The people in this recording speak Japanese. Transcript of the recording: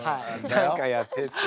何かやってっていう。